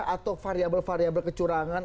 atau variabel variabel kecurangan